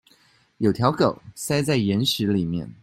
有條狗塞在岩石裡面